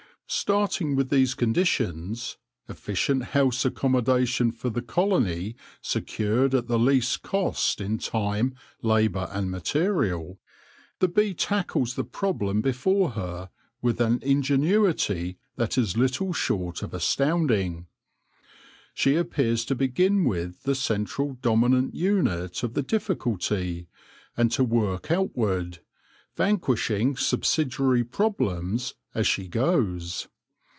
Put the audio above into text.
Starting with these conditions — efficient house accommodation for the colony secured at the least cost in time, labour, and material — the bee tackles the problem before her with an ingenuity that is little short of astounding. She appears to begin with the central dominant unit of the difficulty, and to work outward, vanquishing subsidiary problems as she goes.